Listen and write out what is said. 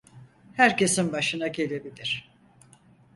Herkesin başına gelebilir.